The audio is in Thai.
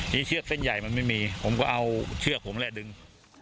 นี่เชือกเส้นใหญ่มันไม่มีผมก็เอาเชือกผมแหละดึง